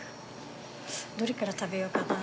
どれから食べようかな？